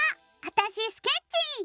あたしスケッチー！